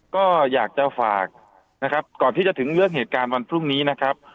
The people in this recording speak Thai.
ก็อยากจะฝากนะครับก่อนที่จะถึงเรื่องเหตุการณ์วันพรุ่งนี้นะครับ